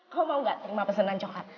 kau mau gak terima pesanan coklat